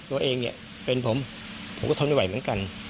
ตัวเองเนี่ยเป็นผมผมก็ทนไม่ไหวเหมือนกัน